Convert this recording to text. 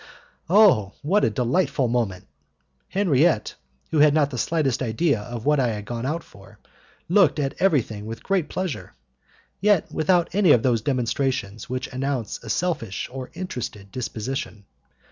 Oh, what a delightful moment! Henriette, who had not the slightest idea of what I had gone out for, looked at everything with great pleasure, yet without any of those demonstrations which announce a selfish or interested disposition.